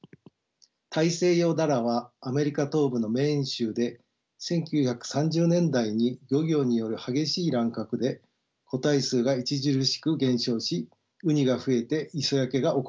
タイセイヨウダラはアメリカ東部のメーン州で１９３０年代に漁業による激しい乱獲で個体数が著しく減少しウニが増えて磯焼けが起こりました。